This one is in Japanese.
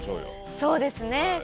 そうですね。